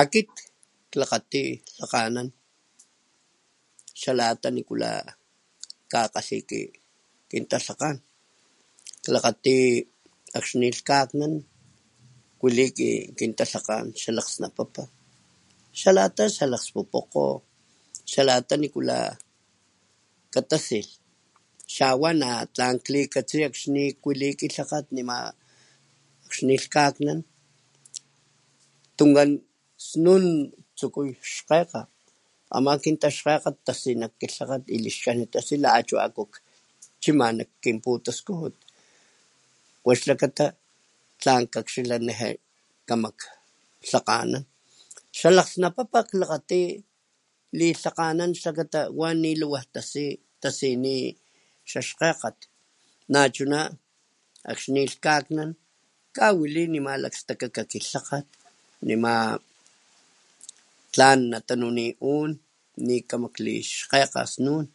Akit klakgati lhakganan xa lata nikula jkakgalhi kin talhakgan klakgati akxni lhkaknan kwili kin talhakgan xalakgsnapapa xa lata xalakg spupokgo xa lata nikula katasilh xawa na tlan klikatsi akxni kwili ki lhakgat nima akxni lhkaknan tunkan snun ktsukuy xkgekga ama kintaxkgakgat tasini naj kilhakgat lixkajnit tasi la achu akukchima nak kin putaskujut wa xlakata tlan kakxila neje kamak lhakganan xalakgsnapapa klakgati lilhakganan xlakata wa ni liwaj tasi tasini xaxkgekgat nachuna akxni lhkaknan kawali nima lakstakaka ki lhakgat nima tlan natanuni un ni kamak klixkgekga snun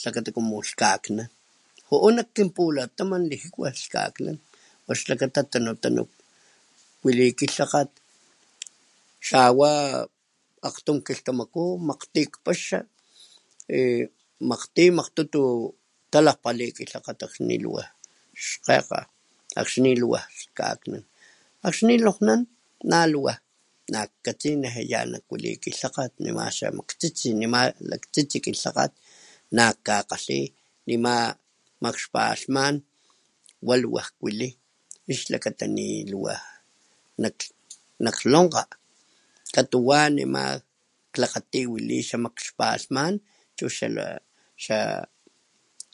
xakata como lhkaknan ju'u nak kin pulataman lijikuanant lhkaknan wa xlakata tanu tanu kuali ki lhakgat xawa akgtum kiltamaku makgtuy kpaxa y makgtuy makgtutu talakgpali ki lhakgat y wa xkgekga akxni liwaj lhkaknan akxni lonkgan naliwaj najkatsi neje ya nak kuali ki lhakgat nema xa maktsitsi nema laktsitsi ki lhakgat naj kakgalhi nima makxpalhman wa liwaj kuali ixlakata ni liwaj nak naklonkgkga katuwa nema klakgati wili xa makxpalhman chu xa la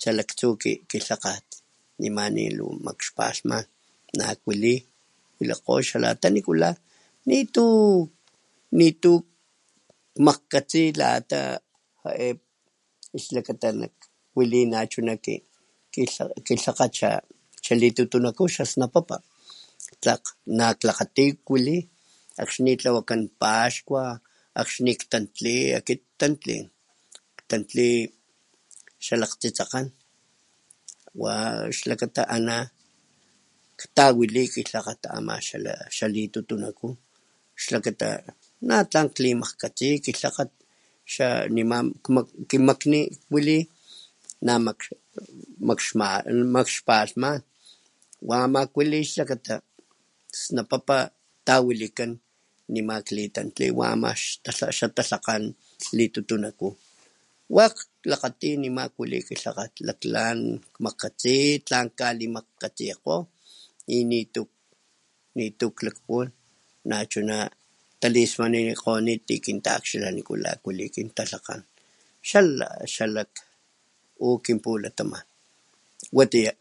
xa laktsu ki lhakgat nima ni liwi makxpalhman nakuali walikgo nixanimata nikula nitu nitu kmakkatsi lata ja'e xlakata nak kwili nachuna ki ki lhakgat xa litutunaku xasnapapa tlakg nakklakgati wali akxni tlawakan paxkua akxni ktantli akit akit ktantli ktantli xalakgtsitsekgan wa xlakata ana ktawili ki lhakgat ama xala xali tutunaku xlakata na tlan klimajkatsi chi ki lhatkgat kimakni kwili namakx namakxpalhman wama kualiy xakata snapapa tawalikan nima klitantli xa talhakgan xli tutunaku wakg klakgati nima kuali ki lhakgat laklan kgatsi wakg tlan kalimajkatsi nitu klakpuwan nachuna talismaninikgonit ti kintakxila niku la kuali kin talhakgan xala xalak u kin pulataman watiya.